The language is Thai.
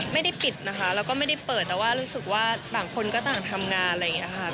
ไม่ได้ปิดนะคะแล้วก็ไม่ได้เปิดแต่ว่ารู้สึกว่าต่างคนก็ต่างทำงานอะไรอย่างนี้ค่ะ